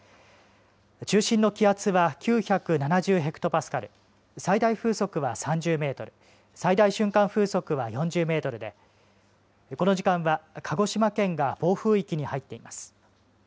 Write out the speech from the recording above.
中心の気圧は９７０ヘクトパスカル、最大風速は３０メートル、最大瞬間風速は４０メートルでこの時間は鹿児島県が暴風域に入っています。